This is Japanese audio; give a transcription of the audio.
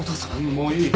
もういい。